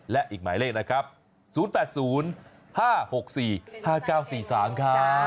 ๐๘๙๔๐๖๘๐๐และอีกหมายเลขนะครับ๐๘๐๕๖๔๕๙๔๓ครับ